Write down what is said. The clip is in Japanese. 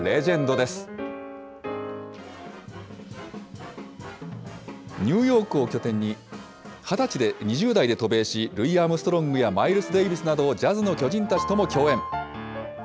ニューヨークを拠点に、２０代で渡米し、ルイ・アームストロングやマイルス・デイビスなど、ジャズの巨人たちとも共演。